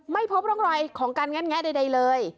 ไม่พบร่องรอยของการแง่นแงะใดเลย